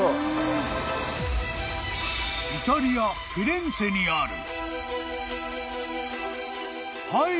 ［イタリアフィレンツェにある］